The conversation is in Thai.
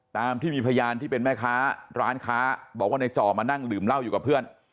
ตามที่มีพยานที่เป็นแม่ค้าร้านค้าบอกว่าในจ่อมานั่งดื่มเหล้าอยู่กับเพื่อน